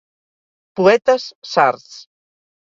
Poetes sards.